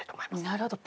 なるほど。